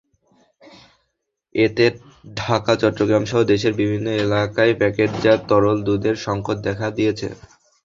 এতে ঢাকা, চট্টগ্রামসহ দেশের বিভিন্ন এলাকায় প্যাকেটজাত তরল দুধের সংকট দেখা দিয়েছে।